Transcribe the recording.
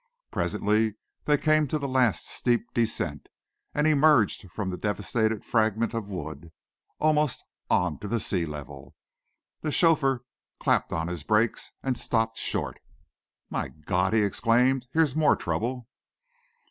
Presently they came to the last steep descent, and emerged from the devastated fragment of a wood almost on to the sea level. The chauffeur clapped on his brakes and stopped short. "My God!" he exclaimed. "Here's more trouble!"